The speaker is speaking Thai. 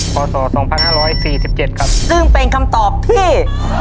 ขอสอสองพันห้าร้อยสี่สิบเจ็ดครับซึ่งเป็นคำตอบที่